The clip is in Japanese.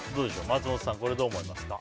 松本さん、どう思いますか？